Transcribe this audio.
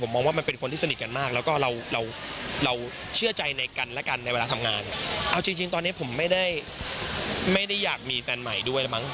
มองว่ามันเป็นคนที่สนิทกันมากแล้วก็เราเราเชื่อใจในกันและกันในเวลาทำงานเอาจริงจริงตอนนี้ผมไม่ได้ไม่ได้อยากมีแฟนใหม่ด้วยแล้วมั้